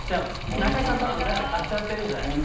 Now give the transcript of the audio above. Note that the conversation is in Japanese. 中居さん、だから買っちゃってるんじゃないですか。